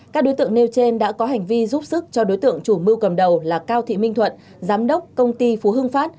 các đối tượng nêu trên đã có hành vi giúp sức cho đối tượng chủ mưu cầm đầu là cao thị minh thuận giám đốc công ty phú hưng phát